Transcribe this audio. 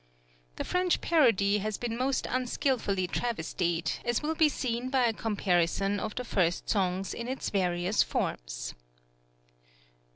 The French parody has been most unskilfully travestied, as will be seen by a comparison of the first song in its various forms.